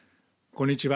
こんにちは。